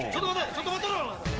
ちょっと待ってろ！」